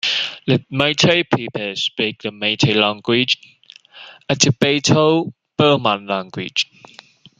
The Meitei people speak the Meitei language, a Tibeto-Burman language.